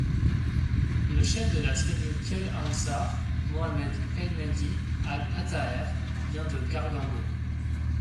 Le chef de la tribu Kel Ansar, Mohamed Elmehdi Ag Attaher, vient de Gargando.